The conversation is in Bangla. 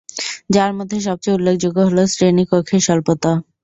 যার মধ্যে সবচেয়ে উল্লেখযোগ্য হল শ্রেণী কক্ষের স্বল্পতা।